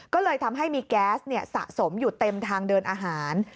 ก็เลยทำให้มีแก๊สสะสมอยู่เต็มทางเดินอาหาร